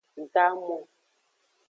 Gamon.